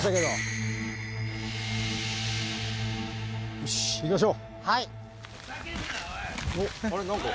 よし、いきましょう。